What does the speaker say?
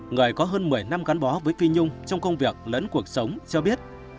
người có hơn một mươi năm gắn bó với phi nhung trong công việc lẫn cuộc sống cho biết